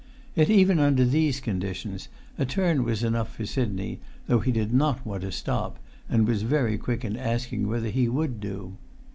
Yet, even under these conditions, a turn was enough for Sidney, though he did not want to stop, and was very quick in asking whether he would do.